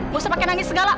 gak usah pake nangis segala